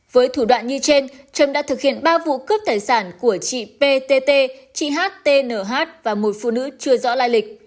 với thủ đoạn như trên trâm đã thực hiện ba vụ cướp tài sản của chị ptt chị htnh và một phụ nữ chưa rõ lai lịch